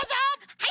はい！